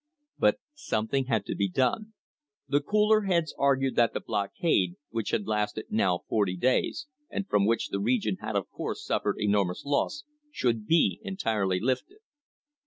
But something had to be done. The cooler heads argued that the blockade, which had lasted now forty days, and from which the region had of course suffered enormous loss, should be entirely lifted.